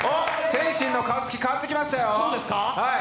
天心の顔つき変わってきましたよ。